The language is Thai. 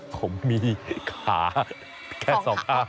ผมมีขาแค่๒ขา